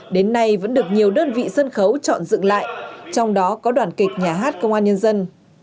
đến nay vẫn được nhiều đơn vị sân khấu chọn dựng lại trong đó có đoàn kịch nhà hát công an nhân dân